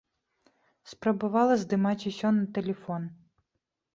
Спрабавала здымаць усё на тэлефон.